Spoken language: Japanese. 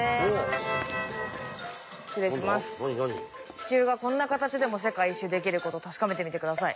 地球がこんな形でも世界一周できること確かめてみて下さい。